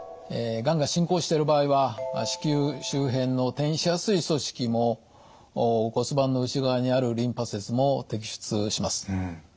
がんが進行している場合は子宮周辺の転移しやすい組織も骨盤の内側にあるリンパ節も摘出します。